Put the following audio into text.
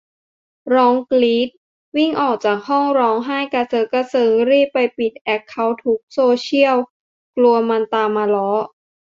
ร้องกรี๊ด วิ่งออกจากห้อง ร้องไห้กระเซอะกระเซิง รีบไปปิดแอคเคานท์ทุกโซเซียล กลัวมันตามมาล้อ